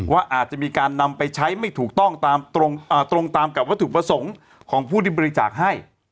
ว่าอาจจะมีการนำไปใช้ไม่ถูกต้องตามตรงตามกับวัตถุประสงค์ของผู้ที่บริจาคให้